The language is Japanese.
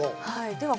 では